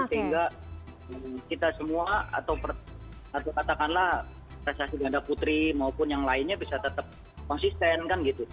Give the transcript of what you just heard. sehingga kita semua atau katakanlah prestasi ganda putri maupun yang lainnya bisa tetap konsisten kan gitu